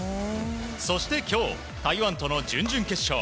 そして今日、台湾との準々決勝。